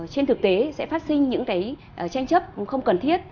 trên thực tế sẽ phát sinh những cái tranh chấp không cần thiết